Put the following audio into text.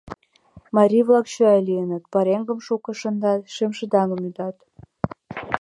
Марий-влак чоя лийыныт: пареҥгым шуко шындат, шемшыдаҥым ӱдат.